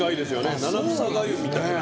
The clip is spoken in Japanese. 七草がゆみたいな。